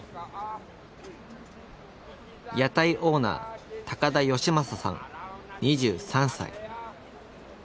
屋台オーナー高田吉昌さん２３歳。